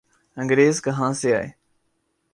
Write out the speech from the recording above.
انگریز کہاں سے آئے؟